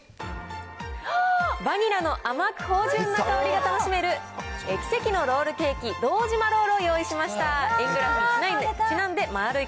バニラの甘く芳じゅんな香りが楽しめる奇跡のロールケーキ、堂島ロールを用意しました。